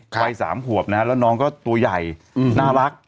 วัย๓ขวบนะฮะแล้วน้องก็ตัวใหญ่น่ารัก